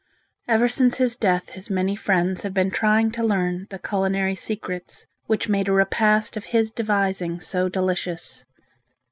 Ever since his death his many friends have been trying to learn the culinary secrets which made a repast of his devising so delicious.